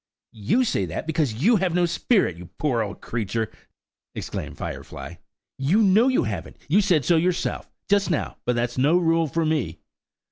"You say that, because you have no spirit, you poor old creature!" exclaimed Firefly. "You know you haven't–you said so yourself, just now; but that's no rule for me."